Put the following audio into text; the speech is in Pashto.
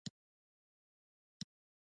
د چین حکومت کمزوری شو.